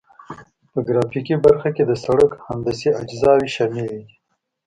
په ګرافیکي برخه کې د سرک هندسي اجزاوې شاملې دي